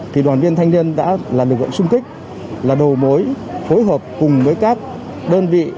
thì đoàn viên thanh niên đã là lực lượng sung kích là đầu mối phối hợp cùng với các đơn vị